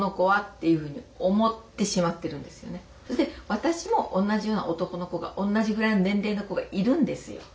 私も同じような男の子が同じぐらいの年齢の子がいるんですよ。